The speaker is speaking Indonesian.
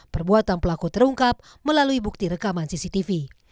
perbuatan pelaku terungkap melalui bukti rekaman cctv